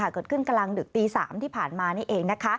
เกิดขึ้นกลางดึกตี๓ที่ผ่านมานี่เอง